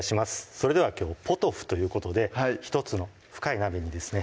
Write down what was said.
それではきょうポトフということで１つの深い鍋にですね